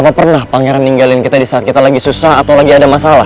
gak pernah pangeran ninggalin kita di saat kita lagi susah atau lagi ada masalah